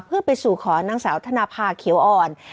เพื่อไปสู่ขอนางสาวธนภาเขียวอ่อน